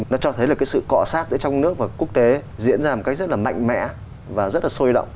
nó cho thấy là cái sự cọ sát giữa trong nước và quốc tế diễn ra một cách rất là mạnh mẽ và rất là sôi động